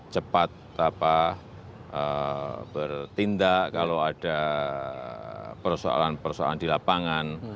cepat bertindak kalau ada persoalan persoalan di lapangan